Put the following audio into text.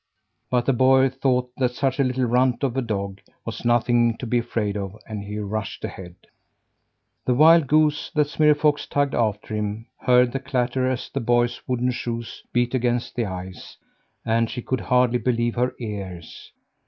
But the boy thought that such a little runt of a dog was nothing to be afraid of and he rushed ahead. The wild goose that Smirre Fox tugged after him, heard the clatter as the boy's wooden shoes beat against the ice, and she could hardly believe her ears.